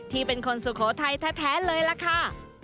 เป็นคนสุโขทัยแท้เลยล่ะค่ะ